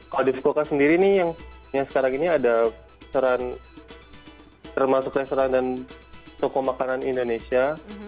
kalau di skulkan sendiri nih yang sekarang ini ada restoran termasuk restoran dan toko makanan indonesia